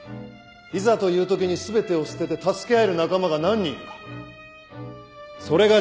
いざというときに全てを捨てて助け合える仲間が何人いるか。